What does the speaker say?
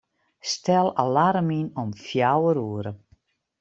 Stel alarm yn om fjouwer oere.